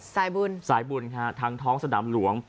สายบุญสายบุญค่ะทั้งท้องสนามหลวง